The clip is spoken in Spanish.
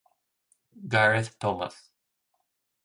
Gareth Thomas